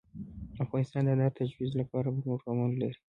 افغانستان د انار د ترویج لپاره پروګرامونه لري.